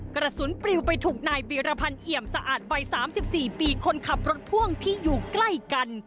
กระสุนปลิวไปถูกนายวีรพันธ์เอี่ยมสะอาดวัย๓๔ปีคนขับรถพ่วงที่อยู่ใกล้กัน